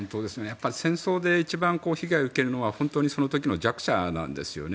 戦争で一番被害を受けるのは本当にその時の弱者なんですよね。